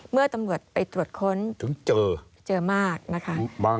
เมื่อตำรวจไปตรวจค้นถึงเจอเจอมากนะคะ